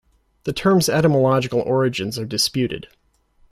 The term's etymological origins are disputed.